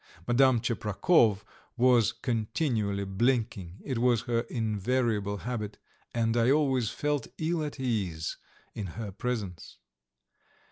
Madame Tcheprakov was continually blinking it was her invariable habit, and I always felt ill at ease in her presence.